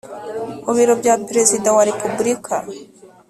Mu biro bya perezida wa repubulika